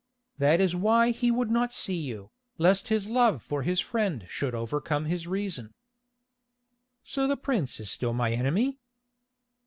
That is why he would not see you, lest his love for his friend should overcome his reason." "So the prince is still my enemy?"